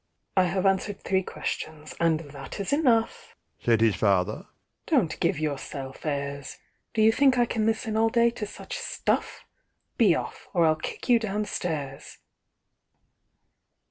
"I have answered three questions, and that is enough," Said his father; "don't give yourself airs! Do you think I can listen all day to such stuff? Be off, or I'll kick you down stairs!"